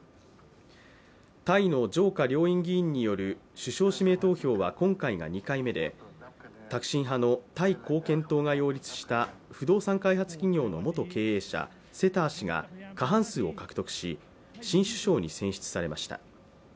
タイの上下両院議員による首相指名投票は今回が２回目でタクシン派のタイ貢献党が擁立した不動産開発企業の元経営者、セター氏が過半数を獲得し新首相に選出されました。